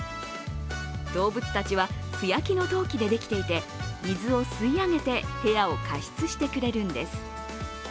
動物たちは素焼きの陶器でできていて水を吸い上げて部屋を加湿してくれるんです。